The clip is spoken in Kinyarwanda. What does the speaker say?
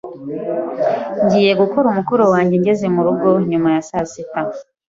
Ngiye gukora umukoro wanjye ngeze murugo nyuma ya saa sita.